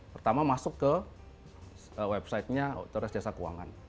pertama masuk ke websitenya otoritas jasa keuangan